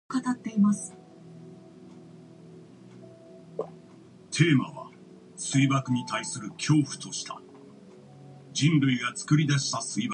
About a dozen dwellings were found.